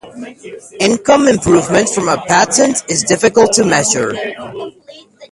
Income improvement from a patent is difficult to measure.